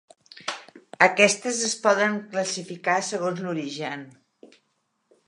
Aquestes es poden classificar segons l'origen.